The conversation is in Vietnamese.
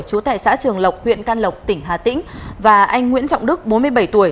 chú tại xã trường lộc huyện can lộc tỉnh hà tĩnh và anh nguyễn trọng đức bốn mươi bảy tuổi